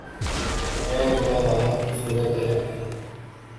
ہیں گل لالہ کی صورت رنگیں